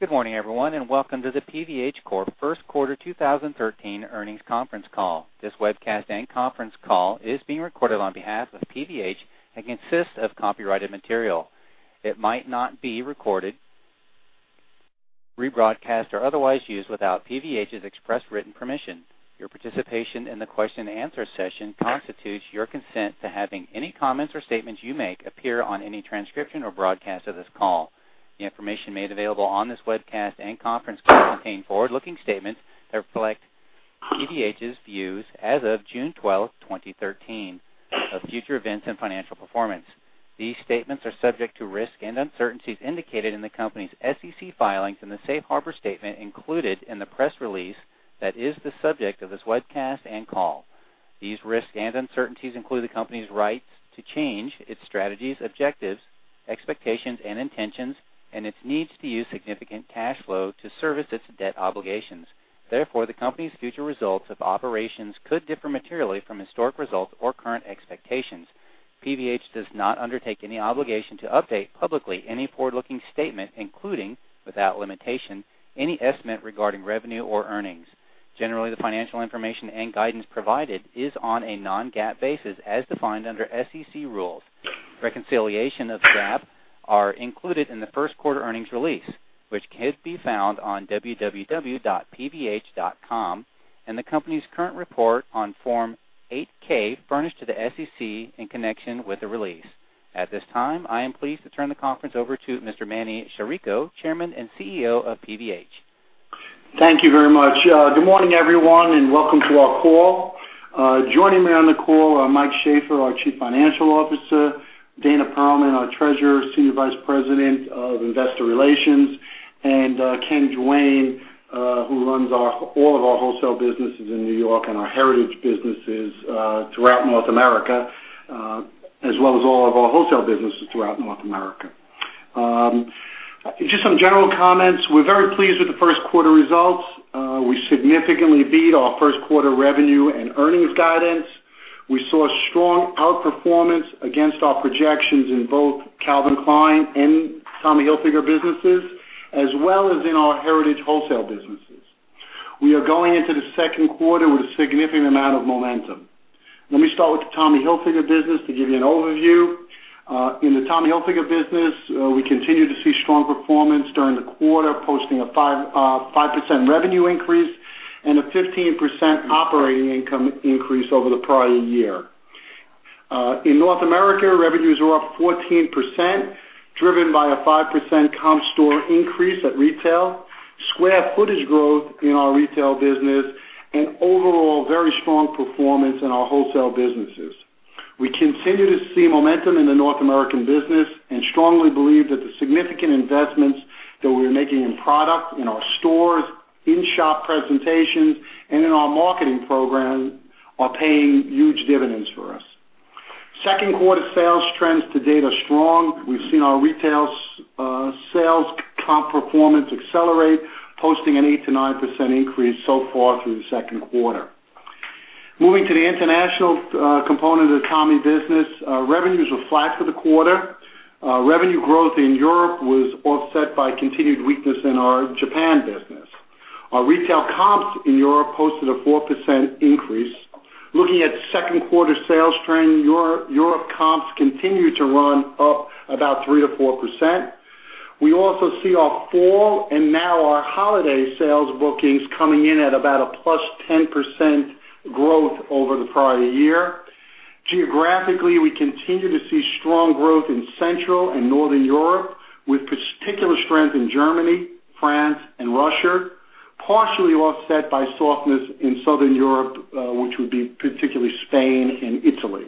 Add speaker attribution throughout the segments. Speaker 1: Good morning, everyone, and welcome to the PVH Corp. First Quarter 2013 earnings conference call. This webcast and conference call is being recorded on behalf of PVH and consists of copyrighted material. It might not be recorded, rebroadcast, or otherwise used without PVH's express written permission. Your participation in the question and answer session constitutes your consent to having any comments or statements you make appear on any transcription or broadcast of this call. The information made available on this webcast and conference call contain forward-looking statements that reflect PVH's views as of June 12th, 2013, of future events and financial performance. These statements are subject to risks and uncertainties indicated in the company's SEC filings and the safe harbor statement included in the press release that is the subject of this webcast and call. These risks and uncertainties include the company's rights to change its strategies, objectives, expectations, and intentions, and its needs to use significant cash flow to service its debt obligations. Therefore, the company's future results of operations could differ materially from historic results or current expectations. PVH does not undertake any obligation to update publicly any forward-looking statement, including, without limitation, any estimate regarding revenue or earnings. Generally, the financial information and guidance provided is on a non-GAAP basis, as defined under SEC rules. Reconciliation of GAAP are included in the first quarter earnings release, which can be found on www.pvh.com and the company's current report on Form 8-K furnished to the SEC in connection with the release. At this time, I am pleased to turn the conference over to Mr. Emanuel Chirico, Chairman and CEO of PVH.
Speaker 2: Thank you very much. Good morning, everyone, and welcome to our call. Joining me on the call are Michael Shaffer, our Chief Financial Officer, Dana Perlman, our Treasurer, Senior Vice President of Investor Relations, and Ken Duane, who runs all of our wholesale businesses in New York and our heritage businesses throughout North America, as well as all of our wholesale businesses throughout North America. Just some general comments. We're very pleased with the first quarter results. We significantly beat our first quarter revenue and earnings guidance. We saw strong outperformance against our projections in both Calvin Klein and Tommy Hilfiger businesses, as well as in our heritage wholesale businesses. We are going into the second quarter with a significant amount of momentum. Let me start with the Tommy Hilfiger business to give you an overview. In the Tommy Hilfiger business, we continue to see strong performance during the quarter, posting a 5% revenue increase and a 15% operating income increase over the prior year. In North America, revenues were up 14%, driven by a 5% comp store increase at retail, square footage growth in our retail business, and overall very strong performance in our wholesale businesses. We continue to see momentum in the North American business and strongly believe that the significant investments that we are making in product, in our stores, in-shop presentations, and in our marketing program are paying huge dividends for us. Second quarter sales trends to date are strong. We've seen our retail sales comp performance accelerate, posting an 8%-9% increase so far through the second quarter. Moving to the international component of the Tommy business. Revenues were flat for the quarter. Revenue growth in Europe was offset by continued weakness in our Japan business. Our retail comps in Europe posted a 4% increase. Looking at second quarter sales trend, Europe comps continue to run up about 3%-4%. We also see our fall and now our holiday sales bookings coming in at about a +10% growth over the prior year. Geographically, we continue to see strong growth in Central and Northern Europe, with particular strength in Germany, France, and Russia, partially offset by softness in Southern Europe, which would be particularly Spain and Italy.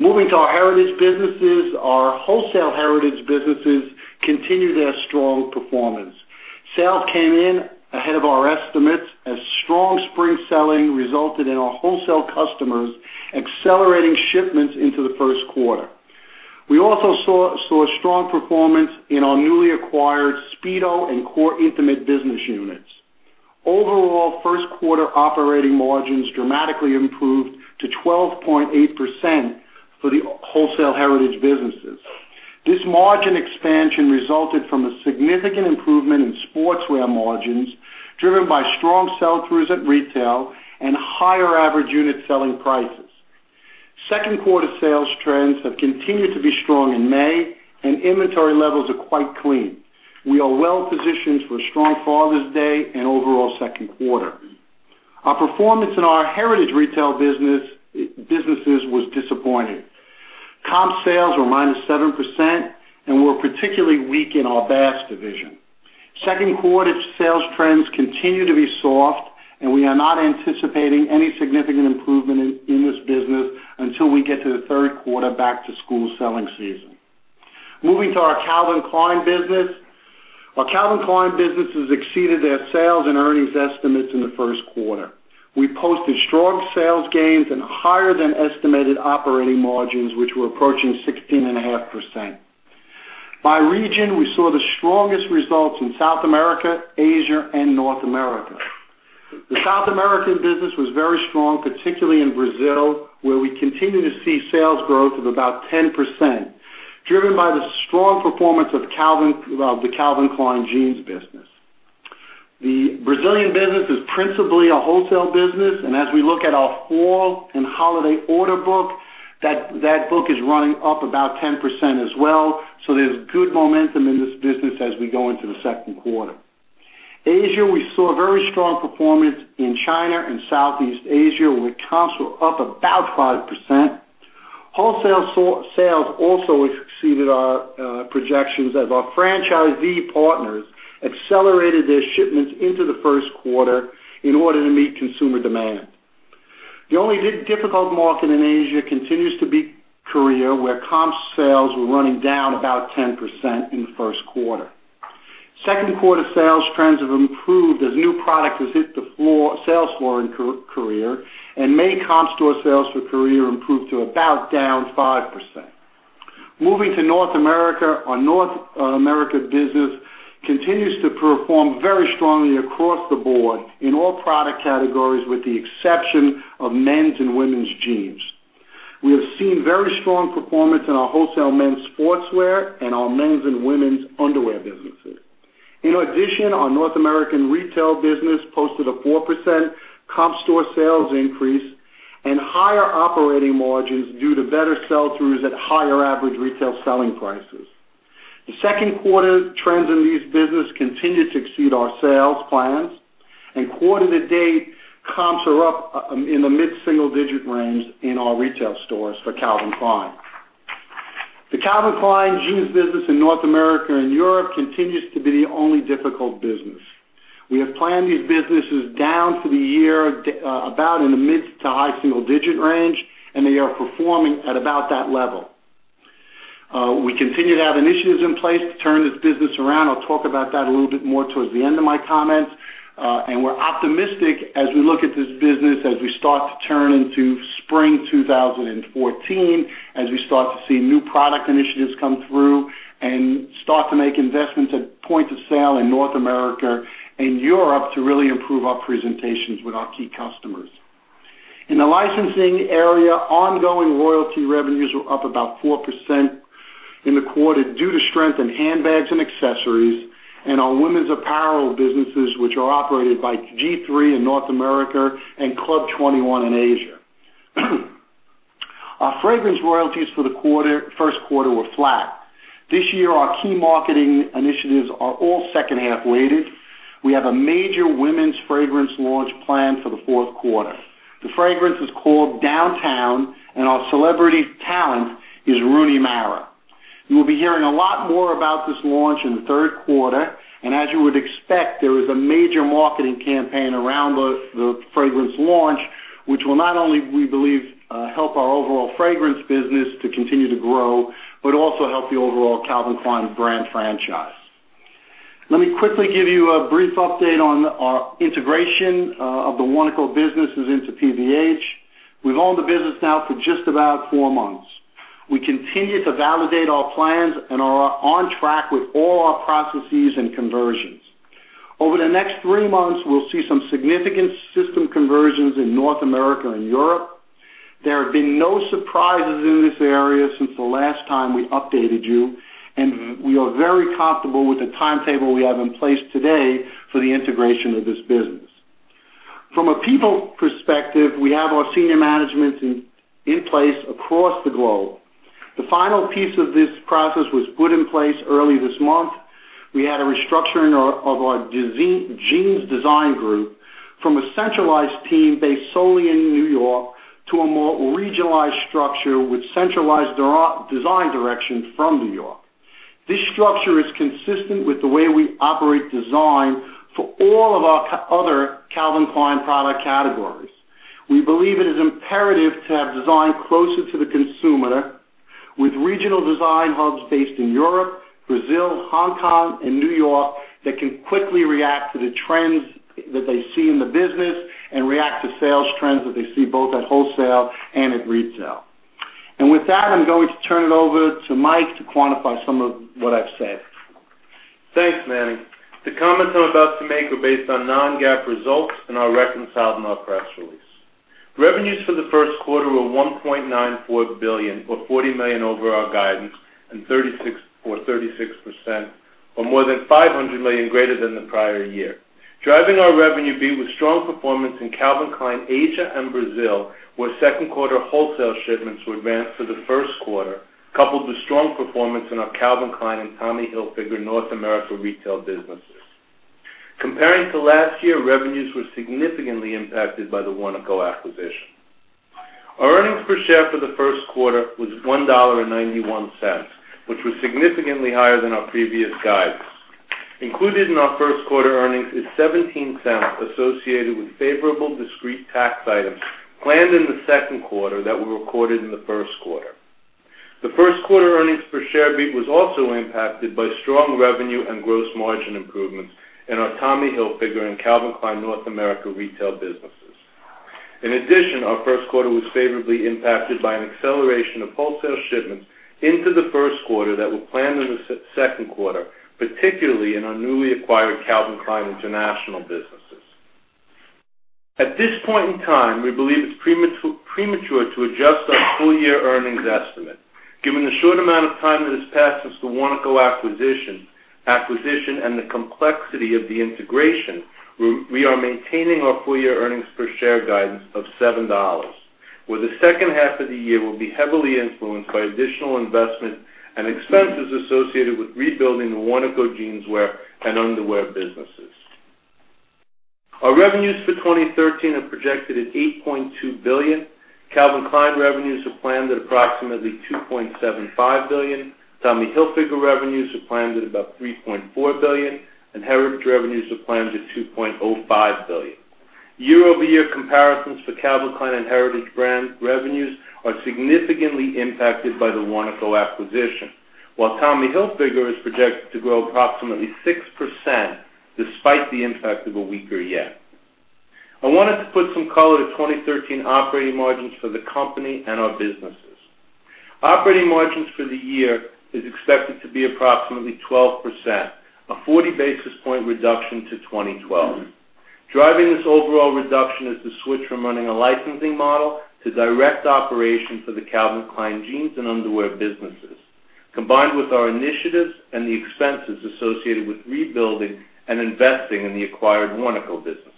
Speaker 2: Moving to our Heritage Brands businesses. Our wholesale Heritage Brands businesses continue their strong performance. Sales came in ahead of our estimates as strong spring selling resulted in our wholesale customers accelerating shipments into the first quarter. We also saw strong performance in our newly acquired Speedo and Core Intimates business units. Overall, first quarter operating margins dramatically improved to 12.8% for the wholesale Heritage Brands businesses. This margin expansion resulted from a significant improvement in sportswear margins, driven by strong sell-throughs at retail and higher average unit selling prices. Second quarter sales trends have continued to be strong in May, and inventory levels are quite clean. We are well-positioned for a strong Father's Day and overall second quarter. Our performance in our Heritage Brands retail businesses was disappointing. Comp sales were -7% and were particularly weak in our Bass division. Second quarter sales trends continue to be soft, and we are not anticipating any significant improvement in this business until we get to the third quarter back-to-school selling season. Moving to our Calvin Klein business. Our Calvin Klein businesses exceeded their sales and earnings estimates in the first quarter. We posted strong sales gains and higher than estimated operating margins, which were approaching 16.5%. By region, we saw the strongest results in South America, Asia, and North America. The South American business was very strong, particularly in Brazil, where we continue to see sales growth of about 10%, driven by the strong performance of the Calvin Klein Jeans business. The Brazilian business is principally a wholesale business, as we look at our fall and holiday order book, that book is running up about 10% as well. There's good momentum in this business as we go into the second quarter. Asia, we saw very strong performance in China and Southeast Asia, where comps were up about 5%. Wholesale sales also exceeded our projections as our franchisee partners accelerated their shipments into the first quarter in order to meet consumer demand. The only difficult market in Asia continues to be Korea, where comp sales were running down about 10% in the first quarter. Second quarter sales trends have improved as new product has hit the sales floor in Korea and made comp store sales for Korea improve to about down 5%. Moving to North America. Our North America business continues to perform very strongly across the board in all product categories, with the exception of men's and women's jeans. We have seen very strong performance in our wholesale men's sportswear and our men's and women's underwear businesses. In addition, our North American retail business posted a 4% comp store sales increase and higher operating margins due to better sell-throughs at higher average retail selling prices. The second quarter trends in these businesses continue to exceed our sales plans, quarter to date comps are up in the mid-single-digit range in our retail stores for Calvin Klein. The Calvin Klein Jeans business in North America and Europe continues to be the only difficult business. We have planned these businesses down for the year, about in the mid-to-high single-digit range, and they are performing at about that level. We continue to have initiatives in place to turn this business around. I'll talk about that a little bit more towards the end of my comments. We're optimistic as we look at this business, as we start to turn into spring 2014, as we start to see new product initiatives come through and start to make investments at point of sale in North America and Europe to really improve our presentations with our key customers. In the licensing area, ongoing royalty revenues were up about 4% in the quarter due to strength in handbags and accessories and our women's apparel businesses, which are operated by G-III in North America and Club 21 in Asia. Our fragrance royalties for the first quarter were flat. This year, our key marketing initiatives are all second half weighted. We have a major women's fragrance launch planned for the fourth quarter. The fragrance is called Downtown, and our celebrity talent is Rooney Mara. You will be hearing a lot more about this launch in the third quarter. As you would expect, there is a major marketing campaign around the fragrance launch, which will not only, we believe, help our overall fragrance business to continue to grow, but also help the overall Calvin Klein brand franchise. Let me quickly give you a brief update on our integration of the Warnaco businesses into PVH. We've owned the business now for just about four months. We continue to validate our plans and are on track with all our processes and conversions. Over the next three months, we'll see some significant system conversions in North America and Europe. There have been no surprises in this area since the last time we updated you, and we are very comfortable with the timetable we have in place today for the integration of this business. From a people perspective, we have our senior management in place across the globe. The final piece of this process was put in place early this month. We had a restructuring of our jeans design group from a centralized team based solely in New York to a more regionalized structure with centralized design direction from New York. This structure is consistent with the way we operate design for all of our other Calvin Klein product categories. We believe it is imperative to have design closer to the consumer with regional design hubs based in Europe, Brazil, Hong Kong, and New York that can quickly react to the trends that they see in the business and react to sales trends that they see both at wholesale and at retail. With that, I'm going to turn it over to Mike to quantify some of what I've said.
Speaker 3: Thanks, Manny. The comments I'm about to make are based on non-GAAP results and are reconciled in our press release. Revenues for the first quarter were $1.94 billion, or $40 million over our guidance, and 36%, or more than $500 million greater than the prior year. Driving our revenue beat was strong performance in Calvin Klein Asia and Brazil, where second quarter wholesale shipments were advanced to the first quarter, coupled with strong performance in our Calvin Klein and Tommy Hilfiger North America retail businesses. Comparing to last year, revenues were significantly impacted by the Warnaco acquisition. Our earnings per share for the first quarter was $1.91, which was significantly higher than our previous guidance. Included in our first quarter earnings is $0.17 associated with favorable discrete tax items planned in the second quarter that were recorded in the first quarter. The first quarter earnings per share beat was also impacted by strong revenue and gross margin improvements in our Tommy Hilfiger and Calvin Klein North America retail businesses. In addition, our first quarter was favorably impacted by an acceleration of wholesale shipments into the first quarter that were planned in the second quarter, particularly in our newly acquired Calvin Klein international businesses. At this point in time, we believe it's premature to adjust our full-year earnings estimate. Given the short amount of time that has passed since the Warnaco acquisition and the complexity of the integration, we are maintaining our full-year earnings per share guidance of $7, where the second half of the year will be heavily influenced by additional investment and expenses associated with rebuilding the Warnaco jeanswear and underwear businesses. Our revenues for 2013 are projected at $8.2 billion. Calvin Klein revenues are planned at approximately $2.75 billion, Tommy Hilfiger revenues are planned at about $3.4 billion, and Heritage Brands revenues are planned at $2.05 billion. Year-over-year comparisons for Calvin Klein and Heritage Brands revenues are significantly impacted by the Warnaco acquisition. Tommy Hilfiger is projected to grow approximately 6% despite the impact of a weaker year. I wanted to put some color to 2013 operating margins for the company and our businesses. Operating margins for the year is expected to be approximately 12%, a 40-basis point reduction to 2012. Driving this overall reduction is the switch from running a licensing model to direct operation for the Calvin Klein jeans and underwear businesses, combined with our initiatives and the expenses associated with rebuilding and investing in the acquired Warnaco businesses.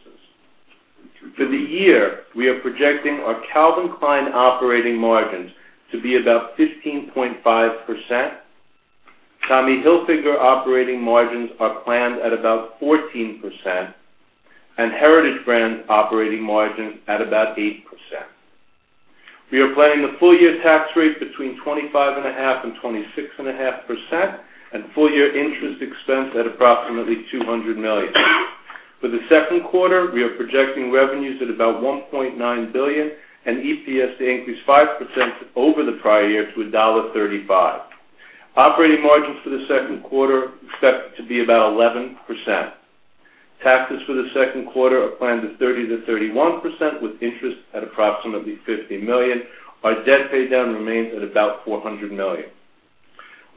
Speaker 3: For the year, we are projecting our Calvin Klein operating margins to be about 15.5%. Tommy Hilfiger operating margins are planned at about 14%, and Heritage Brands operating margins at about 8%. We are planning the full-year tax rate between 25.5%-26.5%, and full-year interest expense at approximately $200 million. For the second quarter, we are projecting revenues at about $1.9 billion and EPS to increase 5% over the prior year to $1.35. Operating margins for the second quarter are expected to be about 11%. Taxes for the second quarter are planned at 30%-31%, with interest at approximately $50 million. Our debt paydown remains at about $400 million.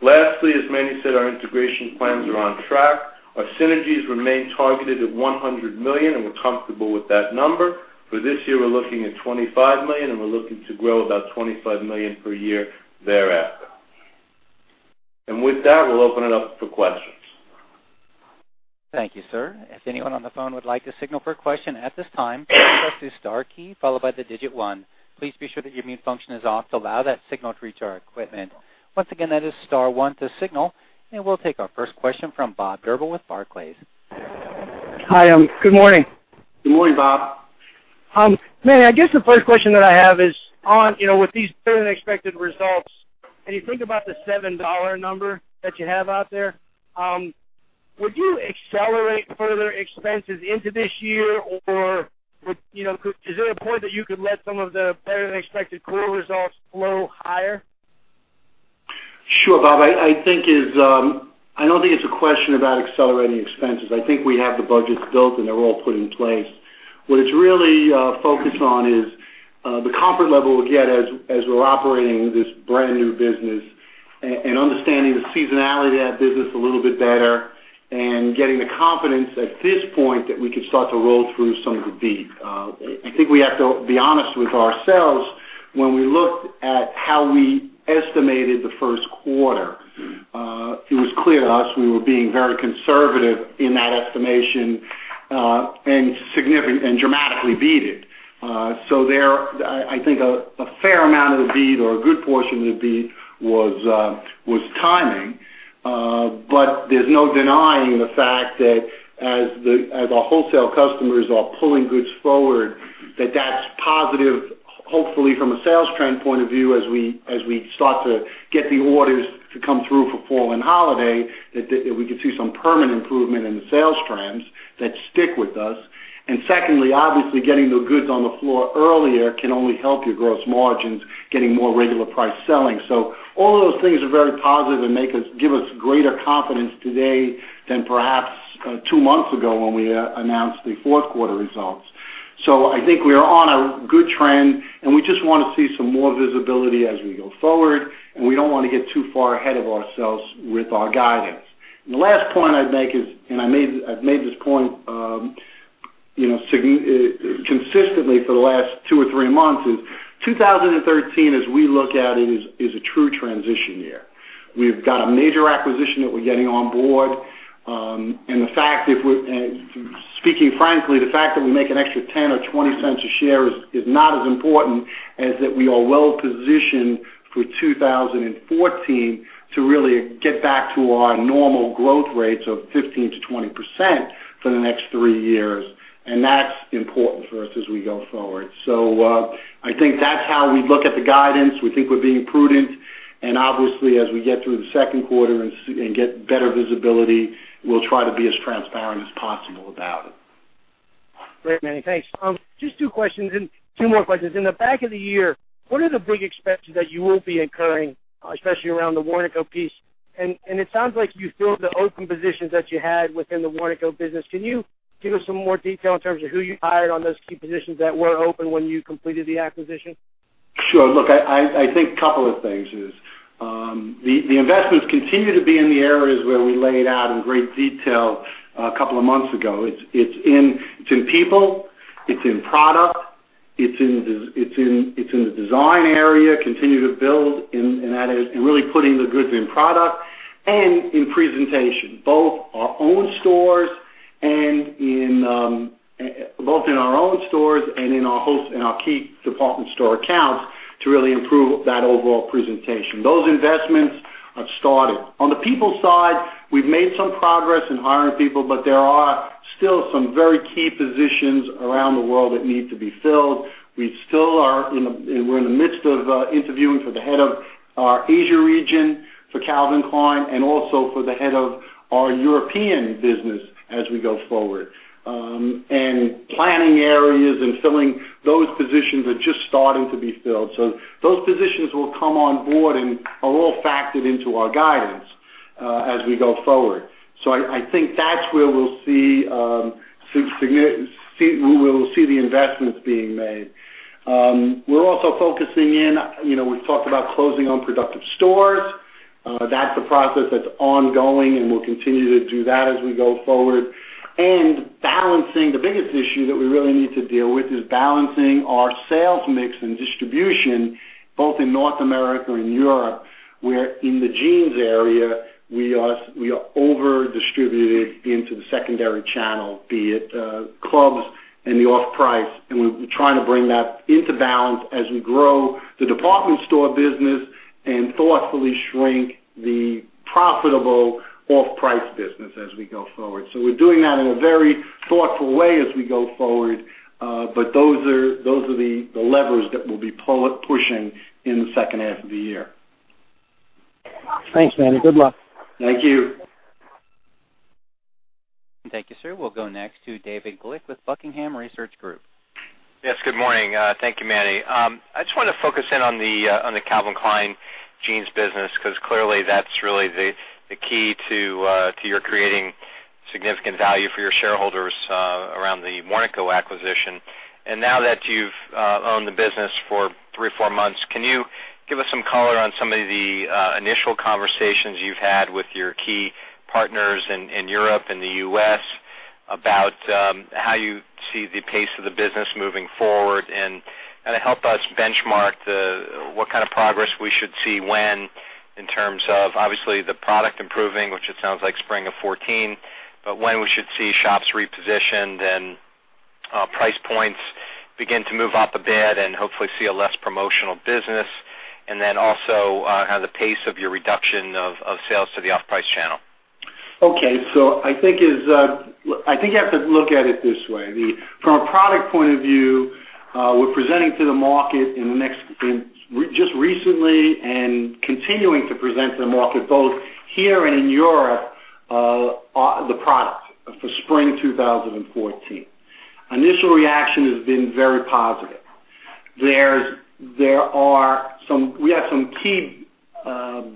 Speaker 3: Lastly, as Manny said, our integration plans are on track. Our synergies remain targeted at $100 million, and we're comfortable with that number. For this year, we're looking at $25 million, and we're looking to grow about $25 million per year thereafter. With that, we'll open it up for questions.
Speaker 1: Thank you, sir. If anyone on the phone would like to signal for a question at this time, press the star key followed by the digit 1. Please be sure that your mute function is off to allow that signal to reach our equipment. Once again, that is star one to signal. We'll take our first question from Robert Drbul with Barclays.
Speaker 4: Hi. Good morning.
Speaker 3: Good morning, Bob.
Speaker 4: Manny, I guess the first question that I have is on with these better-than-expected results, you think about the $7 number that you have out there, would you accelerate further expenses into this year, or is there a point that you could let some of the better-than-expected quarter results flow higher?
Speaker 3: Sure, Bob. I don't think it's a question about accelerating expenses. I think we have the budgets built, and they're all put in place. What it's really focused on is the comfort level we'll get as we're operating this brand-new business and understanding the seasonality of that business a little bit better and getting the confidence at this point that we could start to roll through some of the beat. I think we have to be honest with ourselves. When we looked at how we estimated the first quarter, it was clear to us we were being very conservative in that estimation and dramatically beat it. I think a fair amount of the beat or a good portion of the beat was timing. There's no denying the fact that as our wholesale customers are pulling goods forward, that that's positive, hopefully, from a sales trend point of view, as we start to get the orders to come through for fall and holiday, that we could see some permanent improvement in the sales trends that stick with us. Secondly, obviously, getting the goods on the floor earlier can only help your gross margins, getting more regular price selling. All of those things are very positive and give us greater confidence today than perhaps 2 months ago when we announced the fourth quarter results. I think we are on a good trend, and we just want to see some more visibility as we go forward, and we don't want to get too far ahead of ourselves with our guidance. The last point I'd make is, and I've made this point consistently for the last 2 or 3 months, is 2013, as we look at it, is a true transition year. We've got a major acquisition that we're getting on board. Speaking frankly, the fact that we make an extra $0.10 or $0.20 a share is not as important as that we are well-positioned for 2014 to really get back to our normal growth rates of 15%-20% for the next 3 years. That's important for us as we go forward. I think that's how we look at the guidance. We think we're being prudent. Obviously, as we get through the second quarter and get better visibility, we'll try to be as transparent as possible about it.
Speaker 4: Great, Manny. Thanks. Just 2 more questions. In the back of the year, what are the big expenses that you will be incurring, especially around the Warnaco piece? It sounds like you filled the open positions that you had within the Warnaco business. Can you give us some more detail in terms of who you hired on those key positions that were open when you completed the acquisition?
Speaker 2: Sure. Look, I think a couple of things is, the investments continue to be in the areas where we laid out in great detail a couple of months ago. It's in people, it's in product, it's in the design area, continue to build, and really putting the goods in product and in presentation, both in our own stores and in our host and our key department store accounts to really improve that overall presentation. Those investments have started. On the people side, we've made some progress in hiring people, but there are still some very key positions around the world that need to be filled. We're in the midst of interviewing for the head of our Asia region for Calvin Klein and also for the head of our European business as we go forward. Planning areas and filling those positions are just starting to be filled. Those positions will come on board and are all factored into our guidance as we go forward. I think that's where we'll see the investments being made. We're also, we've talked about closing unproductive stores. That's a process that's ongoing, and we'll continue to do that as we go forward. Balancing. The biggest issue that we really need to deal with is balancing our sales mix and distribution, both in North America and Europe, where in the jeans area, we are over-distributed into the secondary channel, be it clubs and the off-price. We're trying to bring that into balance as we grow the department store business and thoughtfully shrink the profitable off-price business as we go forward. We're doing that in a very thoughtful way as we go forward. Those are the levers that we'll be pushing in the second half of the year.
Speaker 4: Thanks, Manny. Good luck.
Speaker 2: Thank you.
Speaker 1: Thank you, sir. We'll go next to David Glick with Buckingham Research Group.
Speaker 5: Yes, good morning. Thank you, Manny. I just want to focus in on the Calvin Klein Jeans business, because clearly that's really the key to your creating significant value for your shareholders around the Warnaco acquisition. Now that you've owned the business for three or four months, can you give us some color on some of the initial conversations you've had with your key partners in Europe and the U.S. about how you see the pace of the business moving forward? Help us benchmark what kind of progress we should see when in terms of, obviously, the product improving, which it sounds like spring of 2014, but when we should see shops repositioned and price points begin to move up a bit and hopefully see a less promotional business. Then also, how the pace of your reduction of sales to the off-price channel.
Speaker 2: Okay. I think you have to look at it this way. From a product point of view, we're presenting to the market just recently and continuing to present to the market, both here and in Europe, the product for spring 2014. Initial reaction has been very positive. We have some key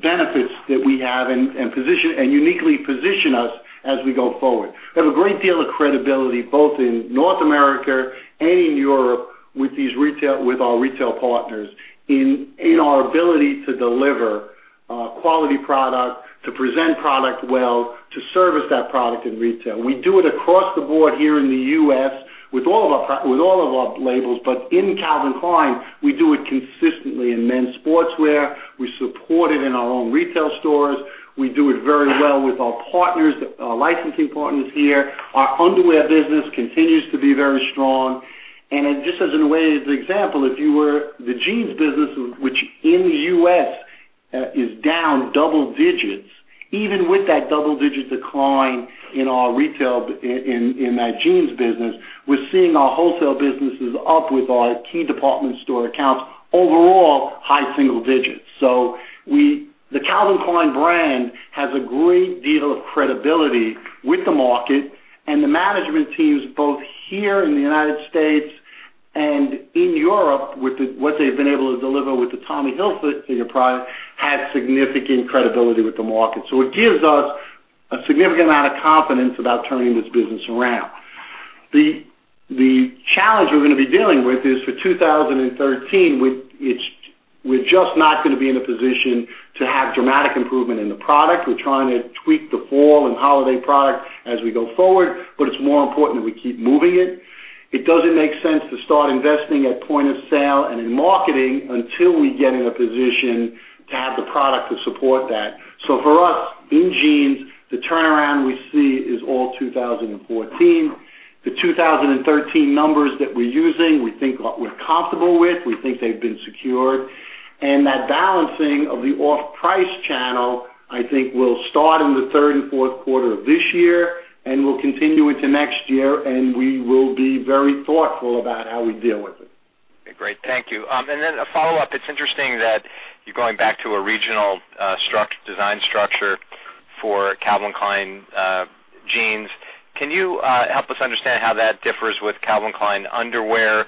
Speaker 2: benefits that we have and uniquely position us as we go forward. We have a great deal of credibility, both in North America and in Europe with our retail partners in our ability to deliver quality product, to present product well, to service that product in retail. We do it across the board here in the U.S. with all of our labels, but in Calvin Klein, we do it consistently in men's sportswear. We support it in our own retail stores. We do it very well with our licensing partners here. Our underwear business continues to be very strong. Just as an example, the jeans business, which in the U.S. is down double digits. Even with that double-digit decline in that jeans business, we're seeing our wholesale businesses up with our key department store accounts overall high single digits. The Calvin Klein brand has a great deal of credibility with the market and the management teams, both here in the United States and in Europe, with what they've been able to deliver with the Tommy Hilfiger product, has significant credibility with the market. It gives us a significant amount of confidence about turning this business around. The challenge we're going to be dealing with is for 2013, we're just not going to be in a position to have dramatic improvement in the product. We're trying to tweak the fall and holiday product as we go forward, it's more important that we keep moving it. It doesn't make sense to start investing at point of sale and in marketing until we get in a position to have the product to support that. For us, in jeans, the turnaround we see is all 2014. The 2013 numbers that we're using, we think we're comfortable with, we think they've been secured. That balancing of the off-price channel, I think will start in the third and fourth quarter of this year and will continue into next year, and we will be very thoughtful about how we deal with it.
Speaker 5: Great. Thank you. Then a follow-up. It's interesting that you're going back to a regional design structure for Calvin Klein Jeans. Can you help us understand how that differs with Calvin Klein underwear?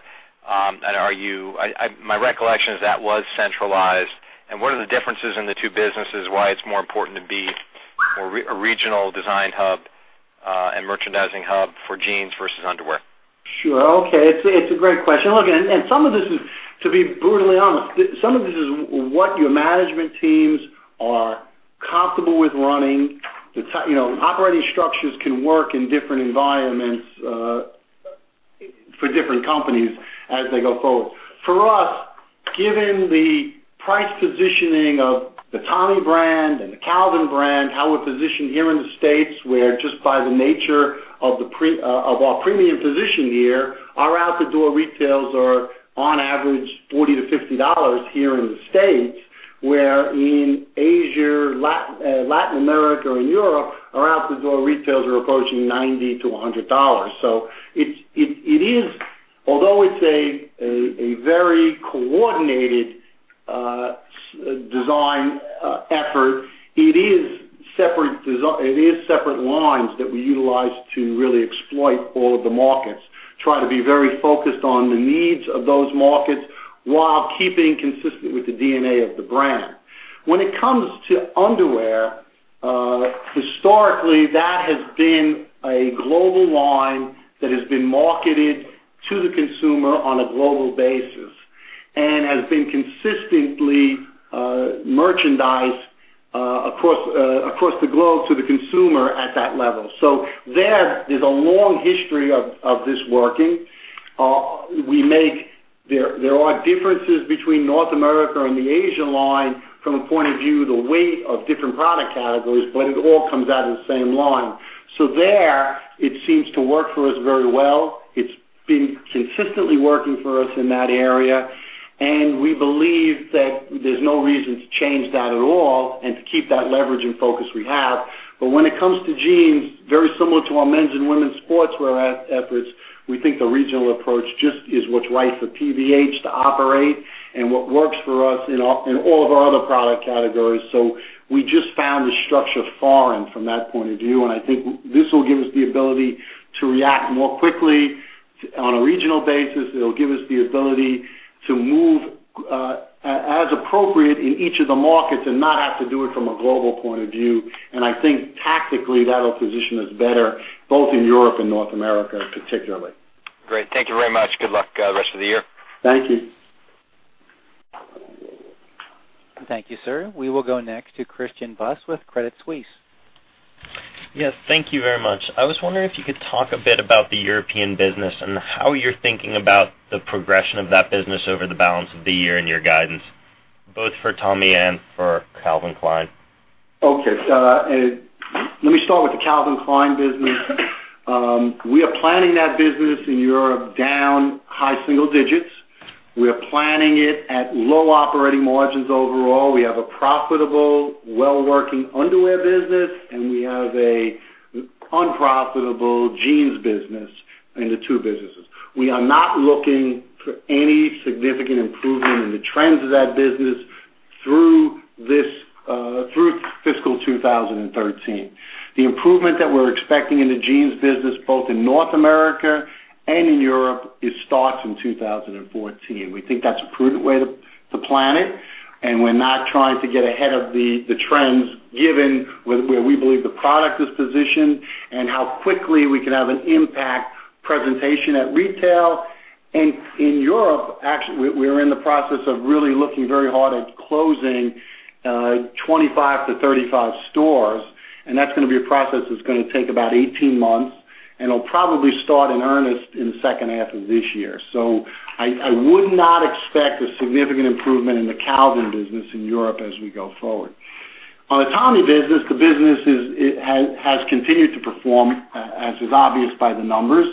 Speaker 5: My recollection is that was centralized. What are the differences in the two businesses, why it's more important to be a regional design hub and merchandising hub for jeans versus underwear?
Speaker 2: Sure. Okay. It's a great question. Look, to be brutally honest, some of this is what your management teams are comfortable with running. Operating structures can work in different environments for different companies as they go forward. For us, given the price positioning of the Tommy brand and the Calvin brand, how we're positioned here in the U.S., where just by the nature of our premium position here, our out-the-door retails are on average $40-$50 here in the U.S. Where in Asia, Latin America or in Europe, our out-the-door retails are approaching $90-$100. Although it's a very coordinated design effort, it is separate lines that we utilize to really exploit all of the markets. Try to be very focused on the needs of those markets while keeping consistent with the DNA of the brand. When it comes to underwear, historically, that has been a global line that has been marketed to the consumer on a global basis, and has been consistently merchandised across the globe to the consumer at that level. There is a long history of this working. There are differences between North America and the Asian line from a point of view, the weight of different product categories, but it all comes out of the same line. There, it seems to work for us very well. It's been consistently working for us in that area, and we believe that there's no reason to change that at all and to keep that leverage and focus we have. When it comes to jeans, very similar to our men's and women's sportswear efforts, we think the regional approach just is what's right for PVH to operate and what works for us in all of our other product categories. We just found the structure foreign from that point of view, and I think this will give us the ability to react more quickly on a regional basis. It'll give us the ability to move as appropriate in each of the markets and not have to do it from a global point of view. I think tactically, that'll position us better both in Europe and North America, particularly.
Speaker 5: Great. Thank you very much. Good luck the rest of the year.
Speaker 2: Thank you.
Speaker 1: Thank you, sir. We will go next to Christian Buss with Credit Suisse.
Speaker 6: Yes, thank you very much. I was wondering if you could talk a bit about the European business and how you're thinking about the progression of that business over the balance of the year in your guidance, both for Tommy and for Calvin Klein.
Speaker 2: Okay. Let me start with the Calvin Klein business. We are planning that business in Europe down high single digits. We're planning it at low operating margins overall. We have a profitable, well-working underwear business, and we have a unprofitable jeans business in the two businesses. We are not looking for any significant improvement in the trends of that business through fiscal 2013. The improvement that we're expecting in the jeans business, both in North America and in Europe, it starts in 2014. We think that's a prudent way to plan it, and we're not trying to get ahead of the trends, given where we believe the product is positioned and how quickly we can have an impact presentation at retail. In Europe, actually, we're in the process of really looking very hard at closing 25-35 stores, and that's going to be a process that's going to take about 18 months, and it'll probably start in earnest in the second half of this year. I would not expect a significant improvement in the Calvin business in Europe as we go forward. On the Tommy business, the business has continued to perform, as is obvious by the numbers.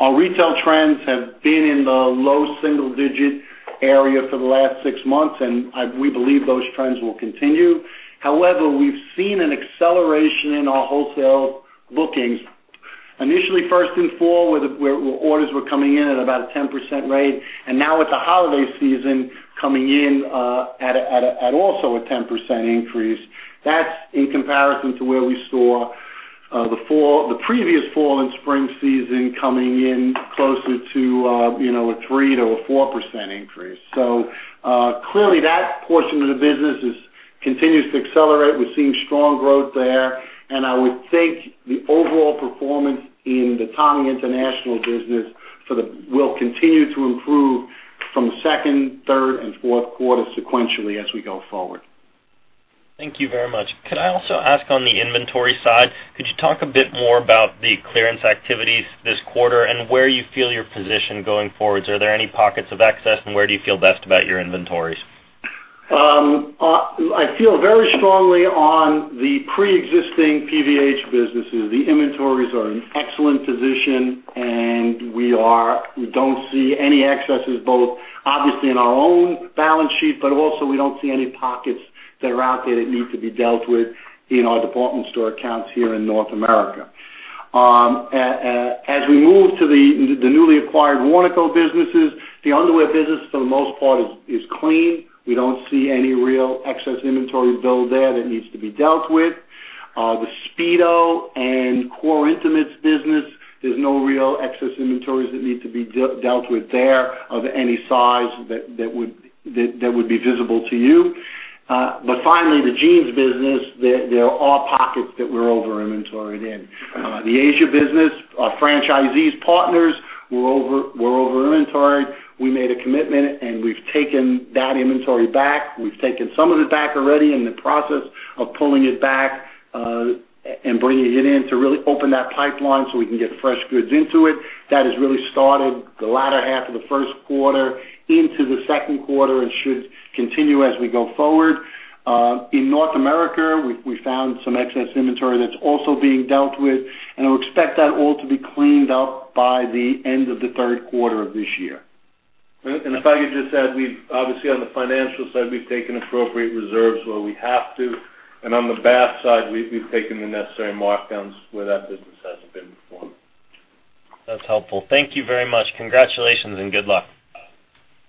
Speaker 2: Our retail trends have been in the low single-digit area for the last six months, and we believe those trends will continue. However, we've seen an acceleration in our wholesale bookings. Initially, first in fall, where orders were coming in at about a 10% rate, and now with the holiday season coming in at also a 10% increase. That's in comparison to where we saw the previous fall and spring season coming in closer to a 3%-4% increase. Clearly, that portion of the business continues to accelerate. We're seeing strong growth there, and I would think the overall performance in the Tommy international business will continue to improve from the second, third, and fourth quarter sequentially as we go forward.
Speaker 6: Thank you very much. Could I also ask on the inventory side, could you talk a bit more about the clearance activities this quarter and where you feel your position going forward? Are there any pockets of excess, and where do you feel best about your inventories?
Speaker 2: I feel very strongly on the preexisting PVH businesses. The inventories are in excellent position, and we don't see any excesses, both obviously in our own balance sheet, but also we don't see any pockets that are out there that need to be dealt with in our department store accounts here in North America. As we move to the newly acquired Warnaco businesses, the underwear business, for the most part, is clean. We don't see any real excess inventory build there that needs to be dealt with. The Speedo and Core Intimates business, there's no real excess inventories that need to be dealt with there of any size that would be visible to you. Finally, the jeans business, there are pockets that we're over-inventoried in. The Asia business, our franchisees partners, we're over-inventoried. We made a commitment, and we've taken that inventory back. We've taken some of it back already in the process of pulling it back, and bringing it in to really open that pipeline so we can get fresh goods into it. That has really started the latter half of the first quarter into the second quarter and should continue as we go forward. In North America, we found some excess inventory that's also being dealt with, and I would expect that all to be cleaned up by the end of the third quarter of this year.
Speaker 3: if I could just add, obviously on the financial side, we've taken appropriate reserves where we have to, and on the Bass side, we've taken the necessary markdowns where that business hasn't been performing.
Speaker 6: That's helpful. Thank you very much. Congratulations and good luck.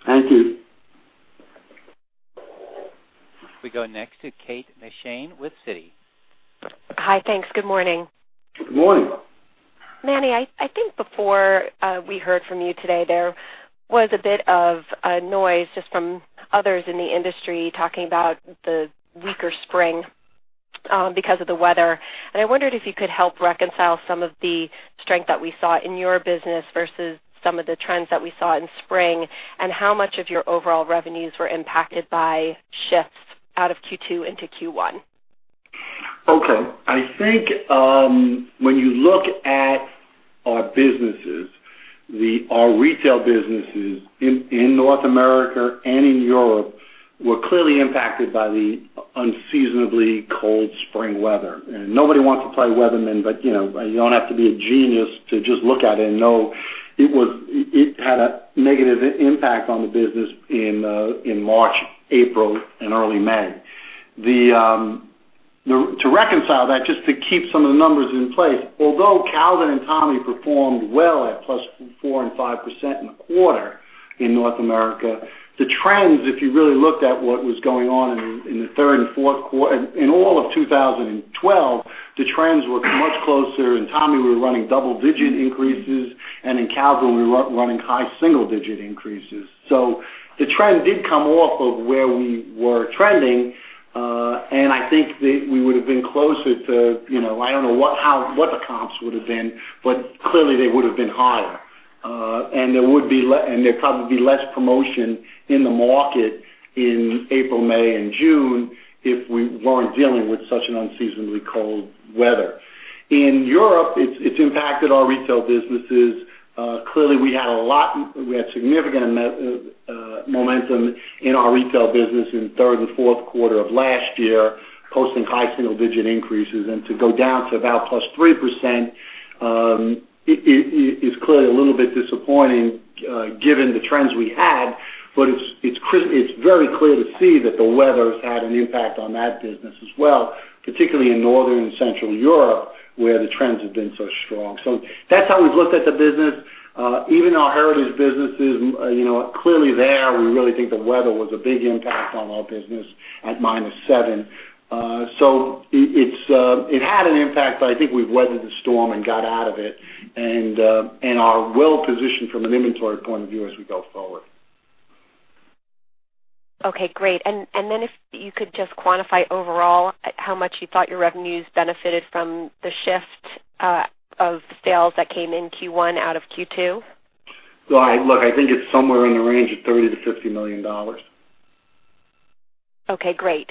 Speaker 2: Thank you.
Speaker 1: We go next to Kate McShane with Citi.
Speaker 7: Hi. Thanks. Good morning.
Speaker 2: Good morning.
Speaker 7: Manny, I think before we heard from you today, there was a bit of a noise just from others in the industry talking about the weaker spring because of the weather. I wondered if you could help reconcile some of the strength that we saw in your business versus some of the trends that we saw in spring, and how much of your overall revenues were impacted by shifts out of Q2 into Q1?
Speaker 2: Okay. I think, when you look at our businesses, our retail businesses in North America and in Europe were clearly impacted by the unseasonably cold spring weather. Nobody wants to play weatherman, but you don't have to be a genius to just look at it and know it had a negative impact on the business in March, April, and early May. To reconcile that, just to keep some of the numbers in place, although Calvin and Tommy performed well at plus 4% and 5% in the quarter in North America, the trends, if you really looked at what was going on in all of 2012, the trends were much closer. In Tommy, we were running double-digit increases, and in Calvin, we were running high single-digit increases. The trend did come off of where we were trending. I think that we would've been closer to, I don't know what the comps would've been, but clearly they would've been higher. There'd probably be less promotion in the market in April, May, and June if we weren't dealing with such an unseasonably cold weather. In Europe, it's impacted our retail businesses. Clearly, we had significant momentum in our retail business in third and fourth quarter of last year, posting high single-digit increases. To go down to about +3%, is clearly a little bit disappointing given the trends we had. It's very clear to see that the weather's had an impact on that business as well, particularly in Northern and Central Europe, where the trends have been so strong. That's how we've looked at the business. Even our Heritage Brands businesses, clearly there, we really think the weather was a big impact on our business at minus seven. It had an impact, I think we've weathered the storm and got out of it and are well positioned from an inventory point of view as we go forward.
Speaker 7: Okay, great. If you could just quantify overall how much you thought your revenues benefited from the shift of sales that came in Q1 out of Q2?
Speaker 2: Look, I think it's somewhere in the range of $30 million-$50 million.
Speaker 7: Okay, great.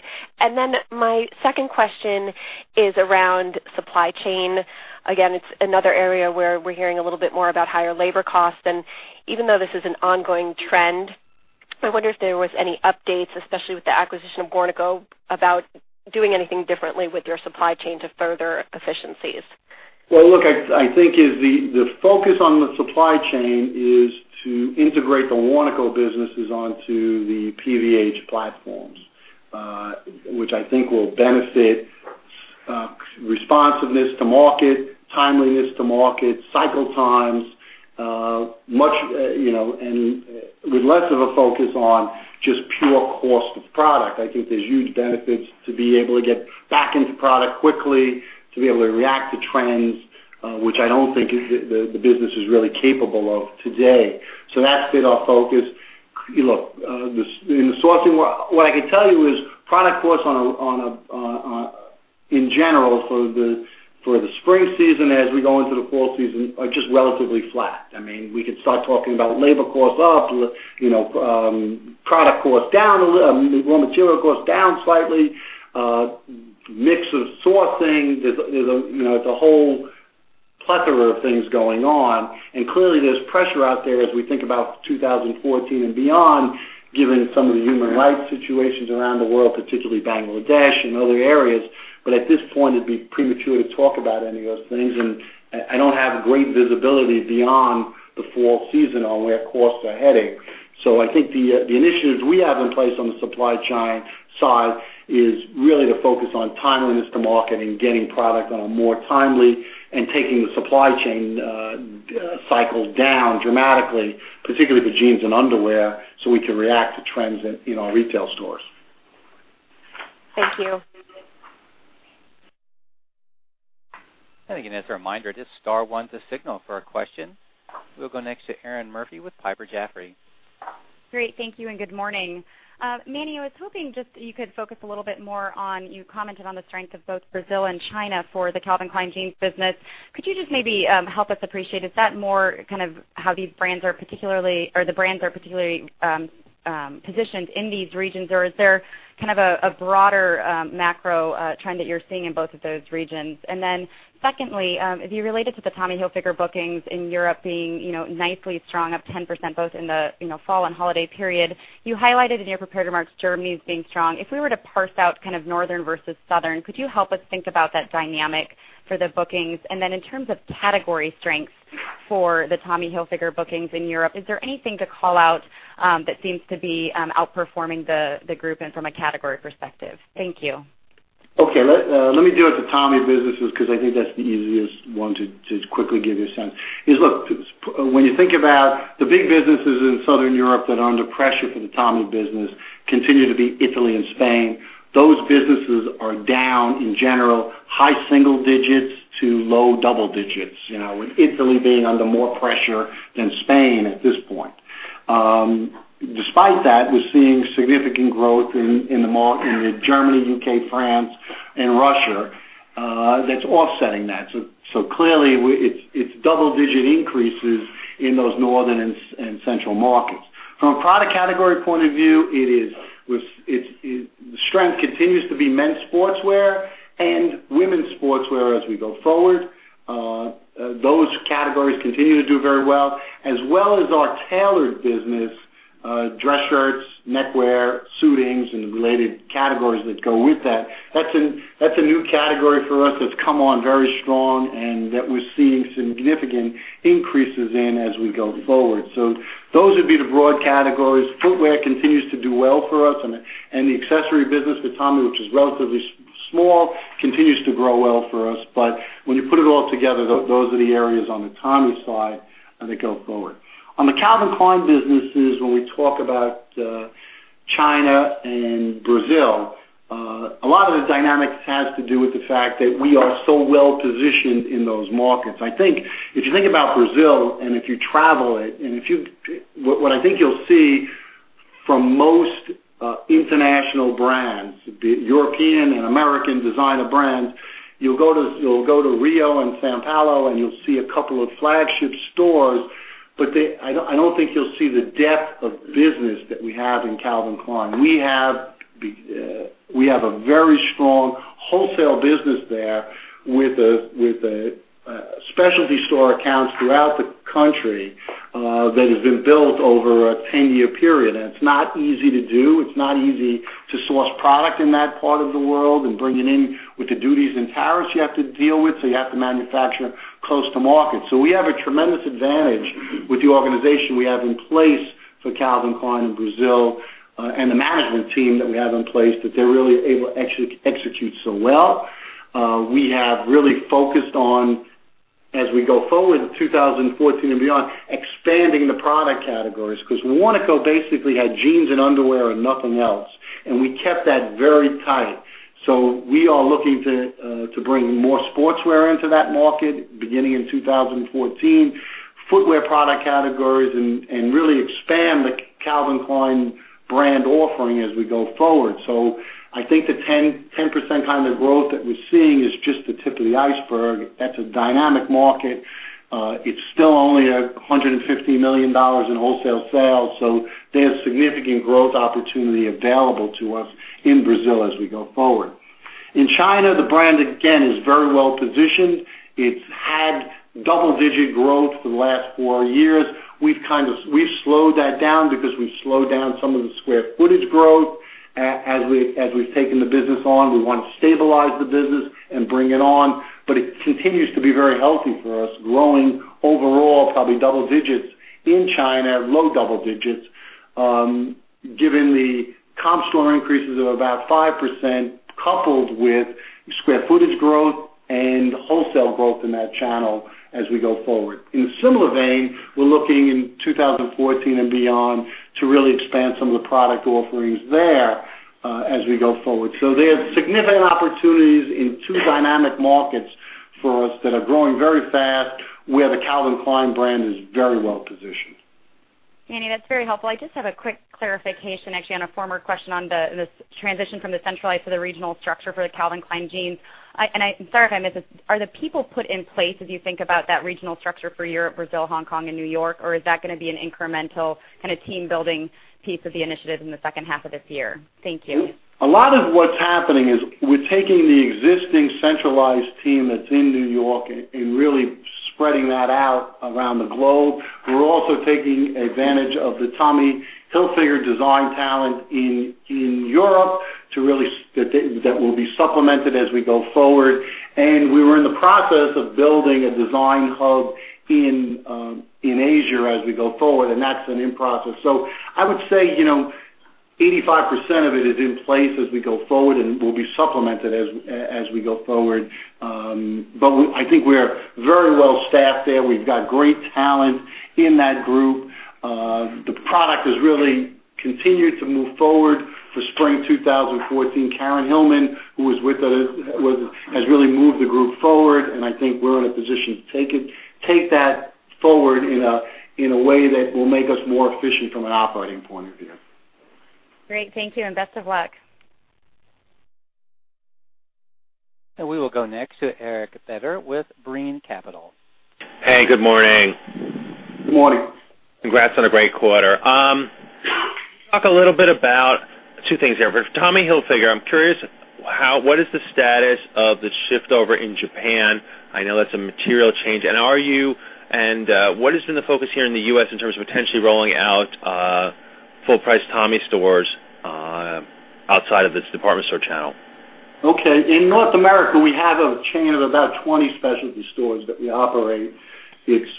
Speaker 7: My second question is around supply chain. Again, it's another area where we're hearing a little bit more about higher labor costs. Even though this is an ongoing trend, I wonder if there was any updates, especially with the acquisition of Warnaco, about doing anything differently with your supply chain to further efficiencies.
Speaker 2: Well, look, I think the focus on the supply chain is to integrate the Warnaco businesses onto the PVH platforms. Which I think will benefit responsiveness to market, timeliness to market, cycle times, and with less of a focus on just pure cost of product. I think there's huge benefits to be able to get back into product quickly, to be able to react to trends, which I don't think the business is really capable of today. That's been our focus. Look, in the sourcing, what I can tell you is product costs in general for the spring season as we go into the fall season, are just relatively flat. We could start talking about labor costs up, product costs down a little, raw material costs down slightly. Mix of sourcing. There's a whole plethora of things going on, clearly there's pressure out there as we think about 2014 and beyond, given some of the human rights situations around the world, particularly Bangladesh and other areas. At this point, it'd be premature to talk about any of those things. Have great visibility beyond the fall season on where costs are heading. I think the initiatives we have in place on the supply chain side is really to focus on timeliness to market and getting product on a more timely and taking the supply chain cycle down dramatically, particularly the jeans and underwear, so we can react to trends in our retail stores.
Speaker 7: Thank you.
Speaker 1: As a reminder, just star one to signal for a question. We'll go next to Erinn Murphy with Piper Jaffray.
Speaker 8: Great. Thank you, and good morning. Manny, I was hoping just that you could focus a little bit more on, you commented on the strength of both Brazil and China for the Calvin Klein Jeans business. Could you just maybe help us appreciate, is that more kind of how these brands are particularly Or the brands are particularly positioned in these regions? Or is there kind of a broader macro trend that you're seeing in both of those regions? Secondly, if you relate it to the Tommy Hilfiger bookings in Europe being nicely strong, up 10%, both in the fall and holiday period. You highlighted in your prepared remarks Germany as being strong. If we were to parse out kind of northern versus southern, could you help us think about that dynamic for the bookings? In terms of category strength for the Tommy Hilfiger bookings in Europe, is there anything to call out that seems to be outperforming the group and from a category perspective? Thank you.
Speaker 2: Okay. Let me do it with the Tommy businesses because I think that's the easiest one to quickly give you a sense. Look, when you think about the big businesses in Southern Europe that are under pressure for the Tommy business continue to be Italy and Spain. Those businesses are down in general, high single digits to low double digits. With Italy being under more pressure than Spain at this point. Despite that, we're seeing significant growth in the Germany, U.K., France, and Russia that's offsetting that. Clearly, it's double-digit increases in those northern and central markets. From a product category point of view, the strength continues to be men's sportswear and women's sportswear as we go forward. Those categories continue to do very well, as well as our tailored business, dress shirts, neckwear, suitings, and related categories that go with that. That's a new category for us that's come on very strong and that we're seeing significant increases in as we go forward. Those would be the broad categories. Footwear continues to do well for us, and the accessory business with Tommy, which is relatively small, continues to grow well for us. When you put it all together, those are the areas on the Tommy side as they go forward. On the Calvin Klein businesses, when we talk about China and Brazil, a lot of the dynamics has to do with the fact that we are so well-positioned in those markets. I think if you think about Brazil and if you travel it, what I think you'll see from most international brands, be it European and American designer brands. You'll go to Rio and São Paulo and you'll see a couple of flagship stores, but I don't think you'll see the depth of business that we have in Calvin Klein. We have a very strong wholesale business there with specialty store accounts throughout the country that has been built over a ten-year period. It's not easy to do. It's not easy to source product in that part of the world and bring it in with the duties and tariffs you have to deal with, so you have to manufacture close to market. We have a tremendous advantage with the organization we have in place for Calvin Klein in Brazil and the management team that we have in place, that they're really able to execute so well. We have really focused on, as we go forward to 2014 and beyond, expanding the product categories because Warnaco basically had jeans and underwear and nothing else, and we kept that very tight. We are looking to bring more sportswear into that market beginning in 2014, footwear product categories, and really expand the Calvin Klein brand offering as we go forward. I think the 10% kind of growth that we're seeing is just the tip of the iceberg. That's a dynamic market. It's still only at $150 million in wholesale sales, so there's significant growth opportunity available to us in Brazil as we go forward. In China, the brand again is very well-positioned. It's had double-digit growth for the last four years. We've slowed that down because we've slowed down some of the square footage growth. As we've taken the business on, we want to stabilize the business and bring it on. It continues to be very healthy for us, growing overall probably double digits in China, low double digits, given the comp store increases of about 5%, coupled with square footage growth and wholesale growth in that channel as we go forward. In a similar vein, we're looking in 2014 and beyond to really expand some of the product offerings there as we go forward. There's significant opportunities in two dynamic markets for us that are growing very fast, where the Calvin Klein brand is very well-positioned.
Speaker 8: Manny, that's very helpful. I just have a quick clarification, actually, on a former question on the transition from the centralized to the regional structure for the Calvin Klein Jeans. Sorry if I missed this. Are the people put in place as you think about that regional structure for Europe, Brazil, Hong Kong, and N.Y., or is that going to be an incremental kind of team-building piece of the initiative in the second half of this year? Thank you.
Speaker 2: A lot of what's happening is we're taking the existing centralized team that's in N.Y. and really spreading that out around the globe. We're also taking advantage of the Tommy Hilfiger design talent in Europe that will be supplemented as we go forward. We were in the process of building a design hub in Asia as we go forward, and that's in process. I would say, 85% of it is in place as we go forward and will be supplemented as we go forward. I think we're very well staffed there. We've got great talent in that group. The product has really continued to move forward for spring 2014. Karyn Hillman, who was with us, has really moved the group forward, and I think we're in a position to take that forward in a way that will make us more efficient from an operating point of view.
Speaker 8: Great. Thank you, and best of luck.
Speaker 1: We will go next to Eric Beder with Brean Capital.
Speaker 9: Hey, good morning.
Speaker 2: Good morning.
Speaker 9: Congrats on a great quarter. Talk a little bit about two things here. For Tommy Hilfiger, I'm curious, what is the status of the shift over in Japan? I know that's a material change. What has been the focus here in the U.S. in terms of potentially rolling out full price Tommy stores outside of this department store channel?
Speaker 2: Okay. In North America, we have a chain of about 20 specialty stores that we operate. It's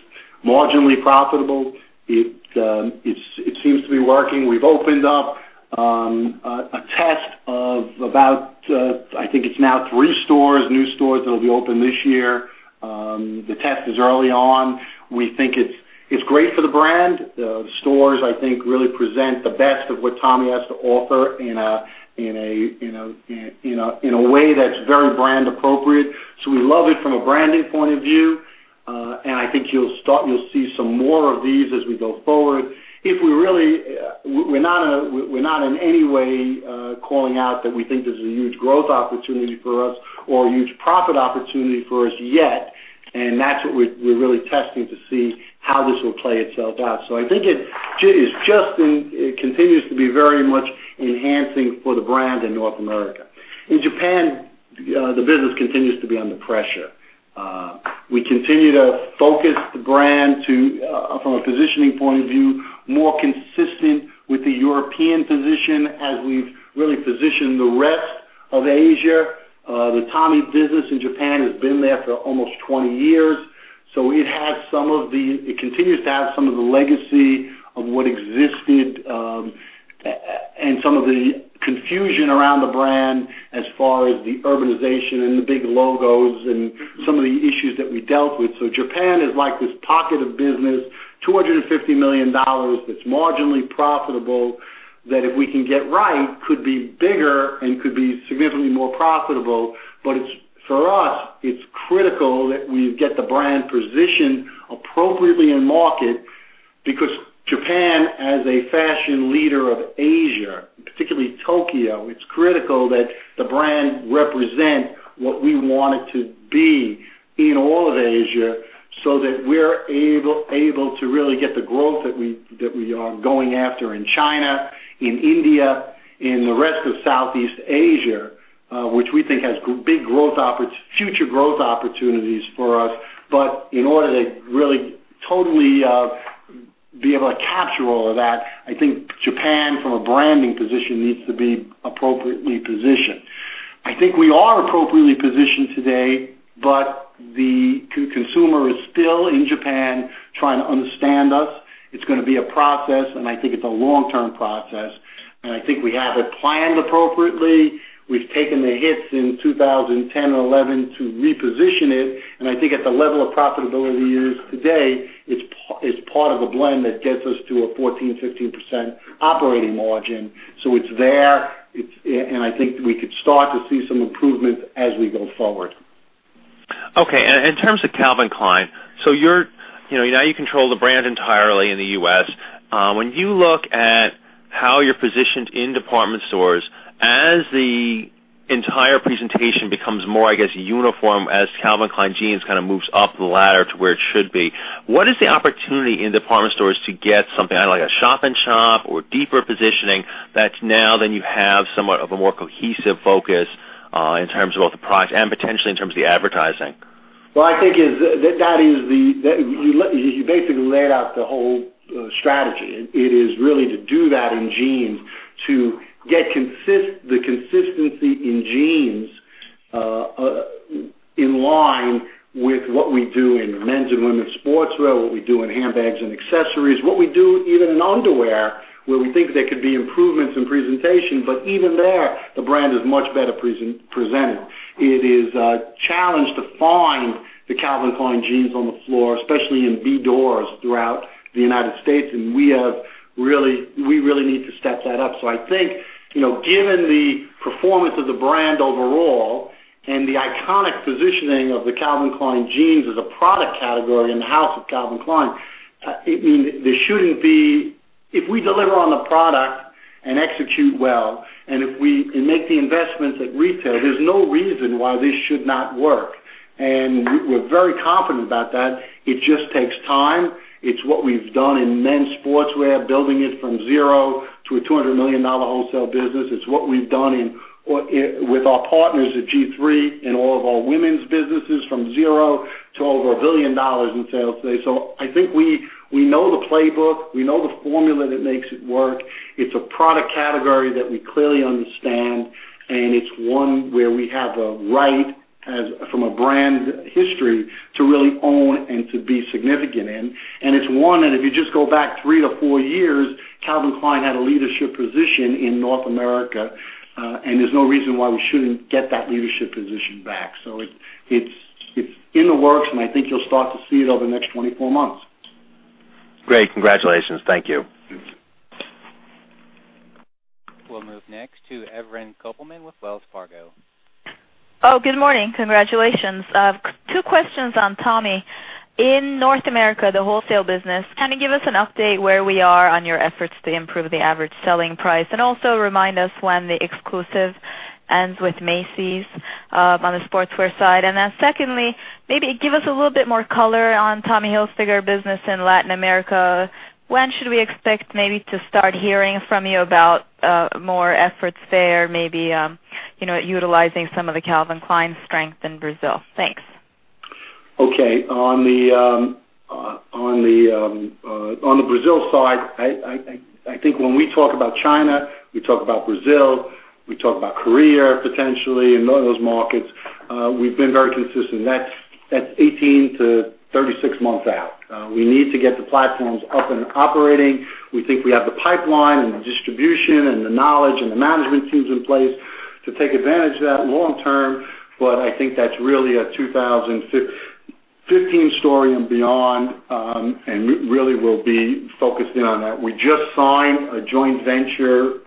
Speaker 2: marginally profitable. It seems to be working. We've opened up a test of about, I think it's now three stores, new stores that will be open this year. The test is early on. We think it's great for the brand. The stores, I think, really present the best of what Tommy has to offer in a way that's very brand appropriate. We love it from a branding point of view. I think you'll see some more of these as we go forward. We're not in any way calling out that we think this is a huge growth opportunity for us or a huge profit opportunity for us yet, that's what we're really testing to see how this will play itself out. I think it continues to be very much enhancing for the brand in North America. In Japan, the business continues to be under pressure. We continue to focus the brand from a positioning point of view, more consistent with the European position as we've really positioned the rest of Asia. The Tommy business in Japan has been there for almost 20 years, it continues to have some of the legacy of what existed, and some of the confusion around the brand as far as the urbanization and the big logos and some of the issues that we dealt with. Japan is like this pocket of business, $250 million that's marginally profitable, that if we can get right, could be bigger and could be significantly more profitable. For us, it's critical that we get the brand positioned appropriately in market because Japan, as a fashion leader of Asia, particularly Tokyo, it's critical that the brand represent what we want it to be in all of Asia, so that we're able to really get the growth that we are going after in China, in India, in the rest of Southeast Asia, which we think has big future growth opportunities for us. In order to really totally be able to capture all of that, I think Japan, from a branding position, needs to be appropriately positioned. I think we are appropriately positioned today, but the consumer is still, in Japan, trying to understand us. It's going to be a process, I think it's a long-term process, I think we have it planned appropriately. We've taken the hits in 2010 and 2011 to reposition it, I think at the level of profitability it is today, it's part of a blend that gets us to a 14%, 15% operating margin. It's there, I think we could start to see some improvements as we go forward.
Speaker 9: Okay. In terms of Calvin Klein, now you control the brand entirely in the U.S. When you look at how you're positioned in department stores, as the entire presentation becomes more, I guess, uniform as Calvin Klein Jeans kind of moves up the ladder to where it should be, what is the opportunity in department stores to get something like a shop in shop or deeper positioning that now then you have somewhat of a more cohesive focus in terms of both the product and potentially in terms of the advertising?
Speaker 2: Well, I think you basically laid out the whole strategy. It is really to do that in jeans to get the consistency in jeans in line with what we do in men's and women's sportswear, what we do in handbags and accessories, what we do even in underwear, where we think there could be improvements in presentation. Even there, the brand is much better presented. It is a challenge to find the Calvin Klein Jeans on the floor, especially in B doors throughout the U.S., and we really need to step that up. I think, given the performance of the brand overall and the iconic positioning of the Calvin Klein Jeans as a product category in the house of Calvin Klein, if we deliver on the product and execute well and make the investments at retail, there's no reason why this should not work. We're very confident about that. It just takes time. It's what we've done in men's sportswear, building it from zero to a $200 million wholesale business. It's what we've done with our partners at G-III in all of our women's businesses, from zero to over $1 billion in sales today. I think we know the playbook, we know the formula that makes it work. It's a product category that we clearly understand, and it's one where we have a right from a brand history to really own and to be significant in. It's one that if you just go back three to four years, Calvin Klein had a leadership position in North America, and there's no reason why we shouldn't get that leadership position back. It's in the works, and I think you'll start to see it over the next 24 months. Great. Congratulations. Thank you.
Speaker 1: We'll move next to Evren Kopelman with Wells Fargo.
Speaker 10: Good morning. Congratulations. Two questions on Tommy. In North America, the wholesale business, can you give us an update where we are on your efforts to improve the average selling price? Also remind us when the exclusive ends with Macy's on the sportswear side. Secondly, maybe give us a little bit more color on Tommy Hilfiger business in Latin America. When should we expect maybe to start hearing from you about more efforts there, maybe utilizing some of the Calvin Klein strength in Brazil? Thanks.
Speaker 2: On the Brazil side, I think when we talk about China, we talk about Brazil, we talk about Korea, potentially, and all those markets, we've been very consistent. That's 18-36 months out. We need to get the platforms up and operating. We think we have the pipeline and the distribution and the knowledge and the management teams in place to take advantage of that long term. I think that's really a 2015 story and beyond. We really will be focusing on that. We just signed a joint venture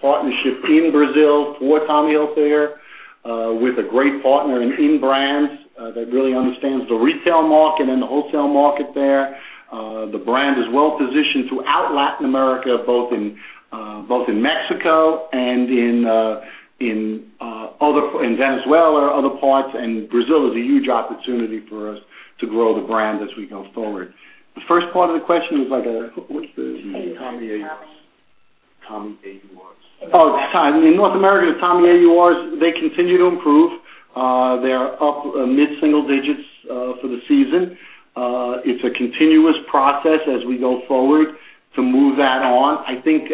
Speaker 2: partnership in Brazil for Tommy Hilfiger with a great partner in brands that really understands the retail market and the wholesale market there. The brand is well positioned throughout Latin America, both in Mexico and in Venezuela, other parts, and Brazil is a huge opportunity for us to grow the brand as we go forward. The first part of the question was Tommy AURs. In North America, the Tommy AURs, they continue to improve. They are up mid-single digits for the season. It's a continuous process as we go forward to move that on. I think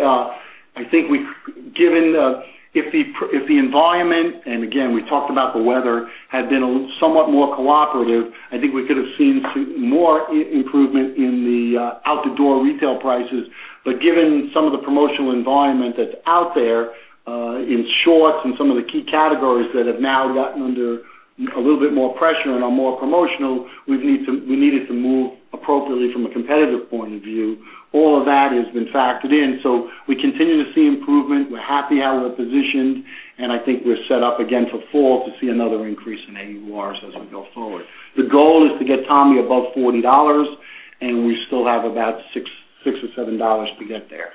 Speaker 2: if the environment, and again, we talked about the weather, had been somewhat more cooperative, I think we could have seen more improvement in the out-the-door retail prices. Given some of the promotional environment that's out there, in shorts and some of the key categories that have now gotten under a little bit more pressure and are more promotional, we needed to move appropriately from a competitive point of view. All of that has been factored in. We continue to see improvement. We're happy how we're positioned, I think we're set up again for fall to see another increase in AURs as we go forward. The goal is to get Tommy above $40, and we still have about $6 or $7 to get there.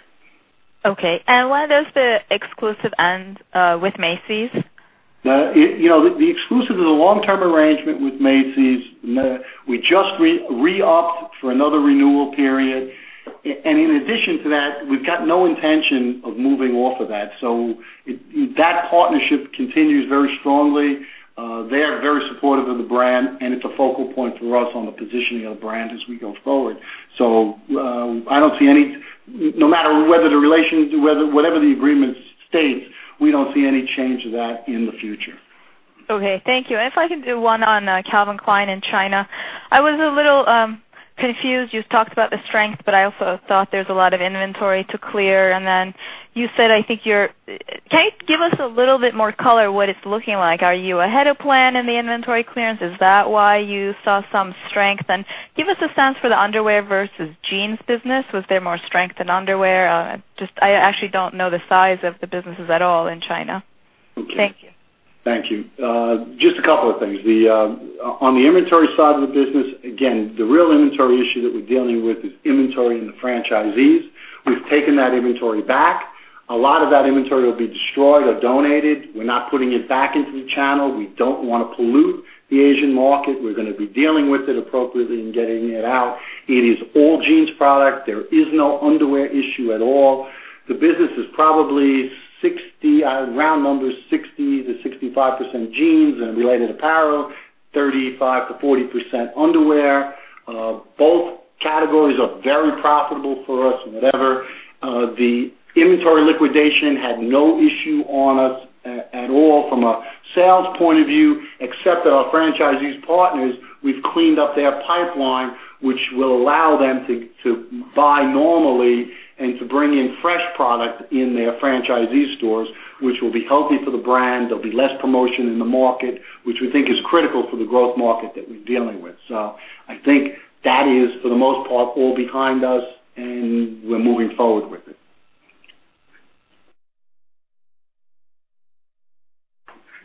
Speaker 10: Okay. When does the exclusive end with Macy's?
Speaker 2: The exclusive is a long-term arrangement with Macy's. We just re-upped for another renewal period. In addition to that, we've got no intention of moving off of that. That partnership continues very strongly. They are very supportive of the brand, and it's a focal point for us on the positioning of the brand as we go forward. No matter whatever the agreement states, we don't see any change to that in the future.
Speaker 10: Okay. Thank you. If I can do one on Calvin Klein in China. I was a little confused. You've talked about the strength, but I also thought there's a lot of inventory to clear, and then you said, Can you give us a little bit more color what it's looking like? Are you ahead of plan in the inventory clearance? Is that why you saw some strength? Give us a sense for the underwear versus jeans business. Was there more strength in underwear? I actually don't know the size of the businesses at all in China.
Speaker 2: Okay.
Speaker 10: Thank you.
Speaker 2: Thank you. Just a couple of things. On the inventory side of the business, again, the real inventory issue that we're dealing with is inventory in the franchisees. We've taken that inventory back. A lot of that inventory will be destroyed or donated. We're not putting it back into the channel. We don't want to pollute the Asian market. We're going to be dealing with it appropriately and getting it out. It is all jeans product. There is no underwear issue at all. The business is probably, round numbers, 60%-65% jeans and related apparel, 35%-40% underwear. Both categories are very profitable for us and whatever. The inventory liquidation had no issue on us at all from a sales point of view, except that our franchisees partners, we've cleaned up their pipeline, which will allow them to buy normally and to bring in fresh product in their franchisee stores, which will be healthy for the brand. There'll be less promotion in the market, which we think is critical for the growth market that we're dealing with. I think that is, for the most part, all behind us, and we're moving forward with it.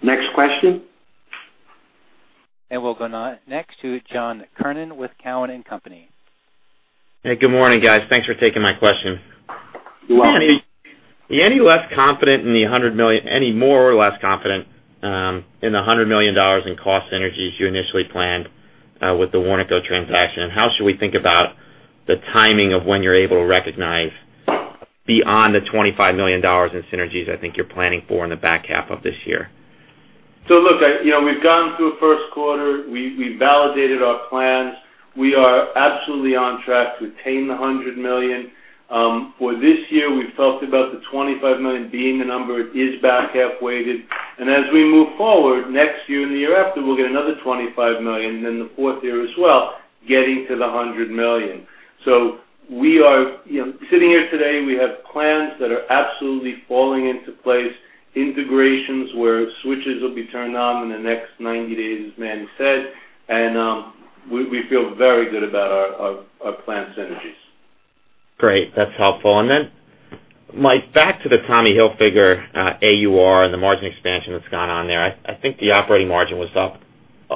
Speaker 2: Next question.
Speaker 1: We'll go next to John Kernan with Cowen and Company.
Speaker 11: Hey, good morning, guys. Thanks for taking my question.
Speaker 2: You're welcome.
Speaker 11: Are you any more or less confident in the $100 million in cost synergies you initially planned with the Warnaco transaction? How should we think about the timing of when you're able to recognize beyond the $25 million in synergies I think you're planning for in the back half of this year?
Speaker 3: Look, we've gone through the first quarter. We validated our plans. We are absolutely on track to attain the $100 million. For this year, we've talked about the $25 million being the number. It is back-half weighted. As we move forward, next year and the year after, we'll get another $25 million, and then the fourth year as well, getting to the $100 million. Sitting here today, we have plans that are absolutely falling into place, integrations where switches will be turned on in the next 90 days, as Manny said. We feel very good about our planned synergies.
Speaker 11: Great. That's helpful. Then, Mike, back to the Tommy Hilfiger AUR and the margin expansion that's gone on there. I think the operating margin was up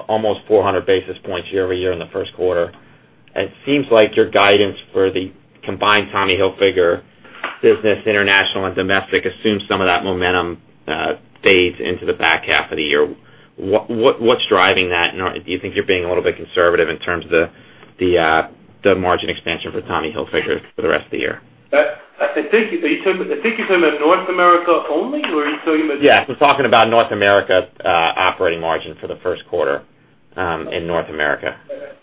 Speaker 11: almost 400 basis points year-over-year in the first quarter. It seems like your guidance for the combined Tommy Hilfiger business, international and domestic, assumes some of that momentum fades into the back half of the year. What's driving that? Do you think you're being a little bit conservative in terms of the margin expansion for Tommy Hilfiger for the rest of the year?
Speaker 3: I think you're talking about North America only, or are you talking about-
Speaker 11: Yes, I'm talking about North America's operating margin for the first quarter in North America.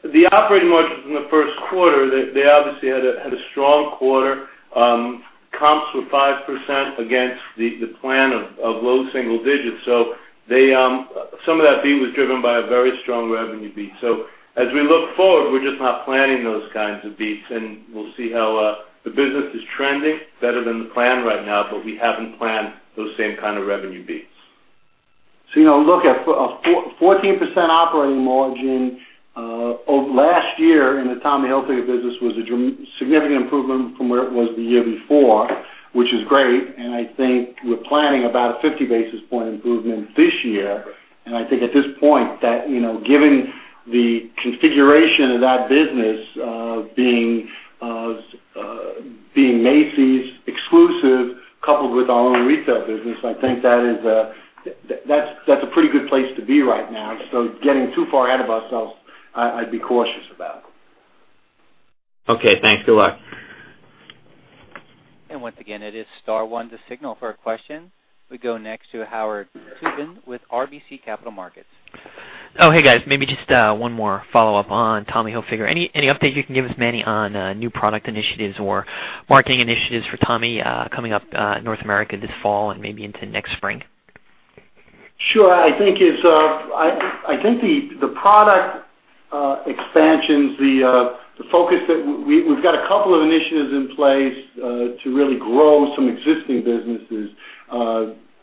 Speaker 3: The operating margins in the first quarter, they obviously had a strong quarter. Comps were 5% against the plan of low single digits. Some of that beat was driven by a very strong revenue beat. As we look forward, we're just not planning those kinds of beats, we'll see how the business is trending better than the plan right now, but we haven't planned those same kind of revenue beats.
Speaker 2: Look, a 14% operating margin last year in the Tommy Hilfiger business was a significant improvement from where it was the year before, which is great. I think we're planning about a 50-basis point improvement this year. I think at this point that, given the configuration of that business being Macy's exclusive coupled with our own retail business, I think that's a pretty good place to be right now. Getting too far ahead of ourselves, I'd be cautious about.
Speaker 11: Okay, thanks. Good luck.
Speaker 1: Once again, it is star one to signal for a question. We go next to Howard Tubin with RBC Capital Markets.
Speaker 12: Hey, guys. Maybe just one more follow-up on Tommy Hilfiger. Any update you can give us, Manny, on new product initiatives or marketing initiatives for Tommy coming up North America this fall and maybe into next spring?
Speaker 2: Sure. I think the product expansions, the focus that we've got a couple of initiatives in place to really grow some existing businesses.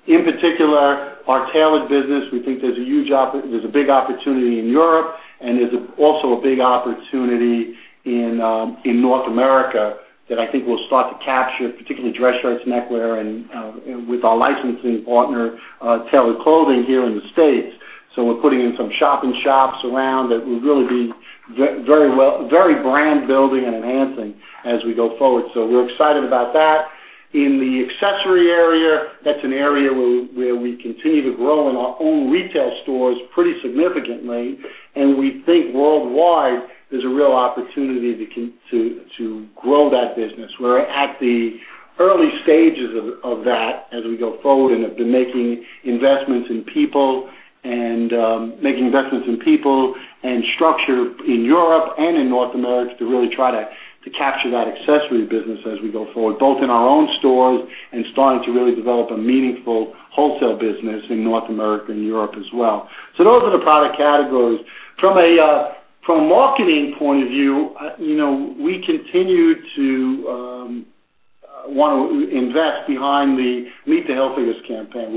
Speaker 2: In particular, our tailored business. We think there's a big opportunity in Europe, and there's also a big opportunity in North America that I think we'll start to capture, particularly dress shirts and neckwear, and with our licensing partner, Tailored Clothing, here in the States. We're putting in some shop in shops around that will really be very brand building and enhancing as we go forward. We're excited about that. In the accessory area, that's an area where we continue to grow in our own retail stores pretty significantly, and we think worldwide, there's a real opportunity to grow that business. We're at the early stages of that as we go forward and have been making investments in people and structure in Europe and in North America to really try to capture that accessory business as we go forward, both in our own stores and starting to really develop a meaningful wholesale business in North America and Europe as well. Those are the product categories. From a marketing point of view, we continue to want to invest behind the Meet the Hilfigers campaign.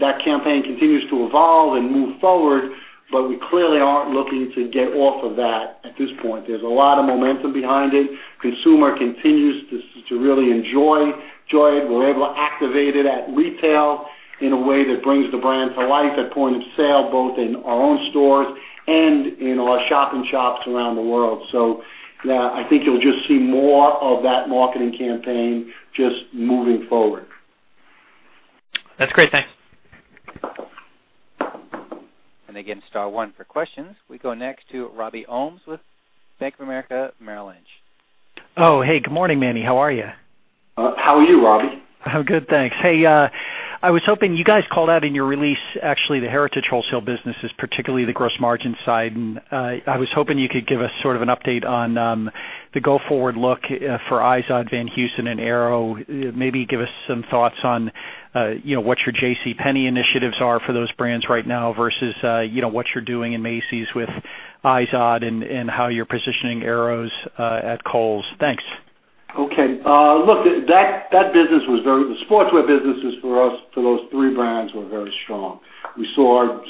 Speaker 2: That campaign continues to evolve and move forward, but we clearly aren't looking to get off of that at this point. There's a lot of momentum behind it. Consumer continues to really enjoy it. We're able to activate it at retail in a way that brings the brand to life at point of sale, both in our own stores and in our shop in shops around the world. I think you'll just see more of that marketing campaign just moving forward.
Speaker 12: That's great. Thanks.
Speaker 1: Again, star one for questions. We go next to Robert Ohmes with Bank of America Merrill Lynch.
Speaker 13: Hey, good morning, Manny. How are you?
Speaker 2: How are you, Robbie?
Speaker 13: I'm good, thanks. Hey, I was hoping you guys called out in your release, actually, the Heritage wholesale businesses, particularly the gross margin side. I was hoping you could give us sort of an update on the go-forward look for Izod, Van Heusen, and Arrow. Maybe give us some thoughts on what your JCPenney initiatives are for those brands right now versus what you're doing in Macy's with Izod and how you're positioning Arrow at Kohl's. Thanks.
Speaker 2: Okay. Look, the sportswear businesses for us for those three brands were very strong. We saw,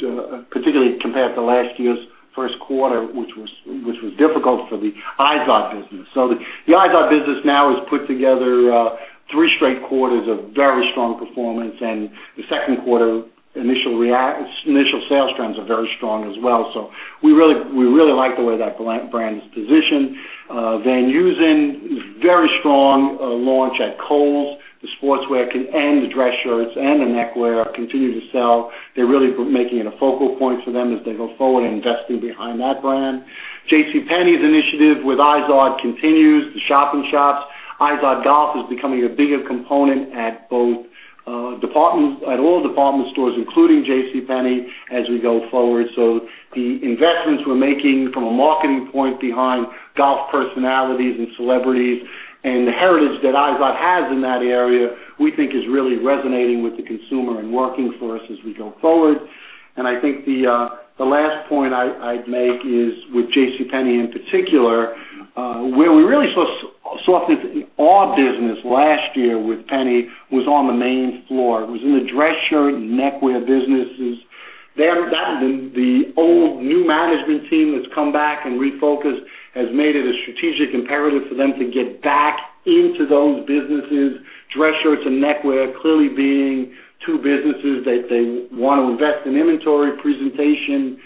Speaker 2: particularly compared to last year's first quarter, which was difficult for the Izod business. The Izod business now has put together three straight quarters of very strong performance, and the second quarter initial sales trends are very strong as well. We really like the way that brand is positioned. Van Heusen, very strong launch at Kohl's. The sportswear and the dress shirts and the neckwear continue to sell. They're really making it a focal point for them as they go forward and investing behind that brand. JCPenney's initiative with Izod continues. The shop-in-shops. Izod Golf is becoming a bigger component at all department stores, including JCPenney, as we go forward. The investments we're making from a marketing point behind golf personalities and celebrities and the heritage that Izod has in that area, we think is really resonating with the consumer and working for us as we go forward. I think the last point I'd make is with JCPenney in particular. Where we really saw our business last year with Penney was on the main floor. It was in the dress shirt and neckwear businesses. The old new management team that's come back and refocused has made it a strategic imperative for them to get back into those businesses, dress shirts and neckwear clearly being two businesses that they want to invest in inventory presentation,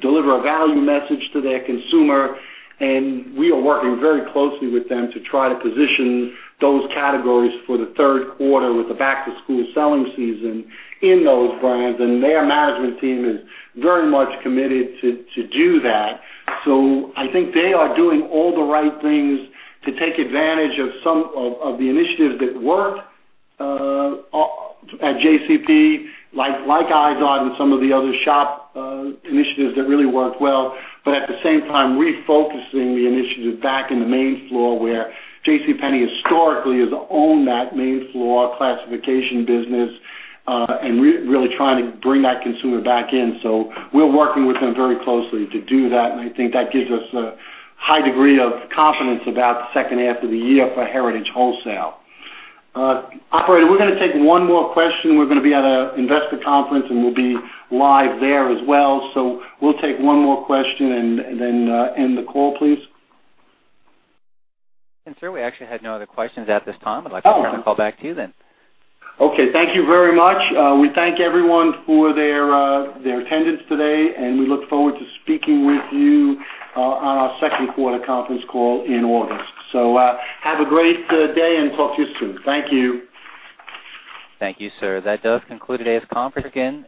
Speaker 2: deliver a value message to their consumer. We are working very closely with them to try to position those categories for the third quarter with the back-to-school selling season in those brands. Their management team is very much committed to do that. I think they are doing all the right things to take advantage of some of the initiatives that work at JCP, like Izod and some of the other shop initiatives that really work well. At the same time, refocusing the initiative back in the main floor where JCPenney historically has owned that main floor classification business, and really trying to bring that consumer back in. We're working with them very closely to do that, and I think that gives us a high degree of confidence about the second half of the year for Heritage Wholesale. Operator, we're gonna take one more question. We're gonna be at an investor conference, and we'll be live there as well. We'll take one more question and then end the call, please.
Speaker 1: Sir, we actually had no other questions at this time. I'd like to turn the call back to you then.
Speaker 2: Okay. Thank you very much. We thank everyone for their attendance today, and we look forward to speaking with you on our second quarter conference call in August. Have a great day, and talk to you soon. Thank you.
Speaker 1: Thank you, sir. That does conclude today's conference.